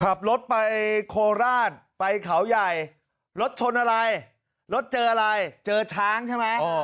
ขับรถไปโคราชไปเขาใหญ่รถชนอะไรรถเจออะไรเจอช้างใช่ไหม